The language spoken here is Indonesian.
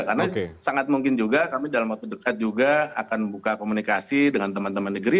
karena sangat mungkin juga kami dalam waktu dekat juga akan buka komunikasi dengan teman teman negeri